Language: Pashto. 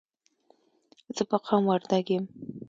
زه په قوم وردګ یم.